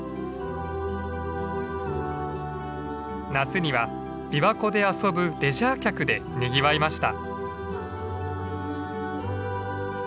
夏には琵琶湖で遊ぶレジャー客でにぎわいました。